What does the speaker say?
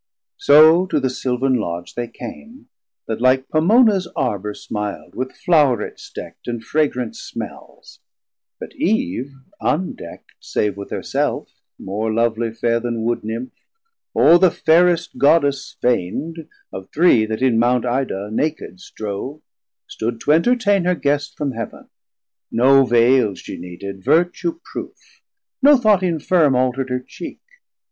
So to the Silvan Lodge They came, that like Pomona's Arbour smil'd With flourets deck't and fragrant smells; but Eve Undeckt, save with her self more lovely fair 380 Then Wood Nymph, or the fairest Goddess feign'd Of three that in Mount Ida naked strove, Stood to entertain her guest from Heav'n; no vaile Shee needed, Vertue proof, no thought infirme Alterd her cheek.